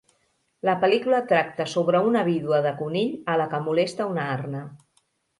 La pel·lícula tracta sobre una vídua de conill a la que molesta una arna.